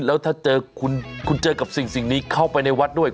แล้วถ้าเจอคุณเจอกับสิ่งนี้เข้าไปในวัดด้วย